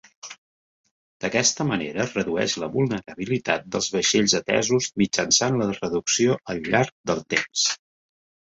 D'aquesta manera es redueix la vulnerabilitat dels vaixells atesos mitjançant la reducció al llarg del temps.